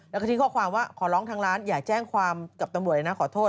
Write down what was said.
แล้วก็ทิ้งข้อความว่าขอร้องทางร้านอย่าแจ้งความกับตำรวจเลยนะขอโทษ